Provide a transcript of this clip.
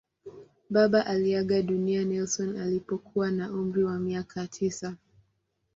Baba aliaga dunia Nelson alipokuwa na umri wa miaka tisa.